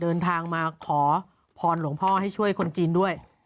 เดินทางมาขอพรหลวงพ่อให้ช่วยคนจีนด้วย